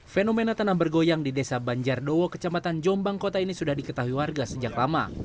fenomena tanam bergoyang di desa banjar dowo kecamatan jombang kota ini sudah diketahui warga sejak lama